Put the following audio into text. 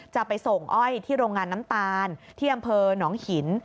จะไปส่งอ้อยที่โรงงานน้ำตาลที่อำเภอหนองหิน